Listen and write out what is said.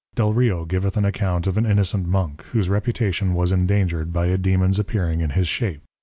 Delrio giveth an account of an innocent Monk, whose Reputation was indangered by a Dæmon's appearing in his shape.